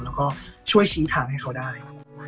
แล้วก็ช่วยชี้ทางให้เขาได้